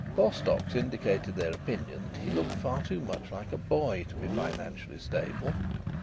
Bostocks indicated their opinion that he looked far too much like a boy to be financially stable.